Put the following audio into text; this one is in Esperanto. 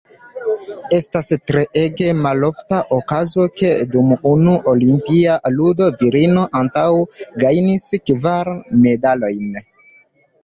Estas treege malofta okazo, ke dum unu olimpia ludo virino antaŭe gajnis kvar medalojn.